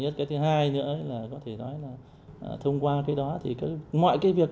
cái thứ hai nữa là có thể nói là thông qua cái đó thì mọi cái việc